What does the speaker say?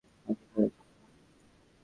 মালিকরা সাধারণ লোক নয়।